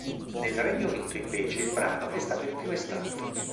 Nel Regno Unito invece il brano è stato il primo estratto.